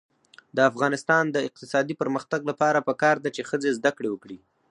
د افغانستان د اقتصادي پرمختګ لپاره پکار ده چې ښځې زده کړې وکړي.